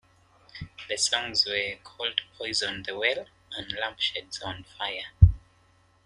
The songs were called "Poison the Well" and "Lampshades on Fire.